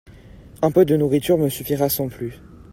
Un peu de nourriture me suffira sans plus.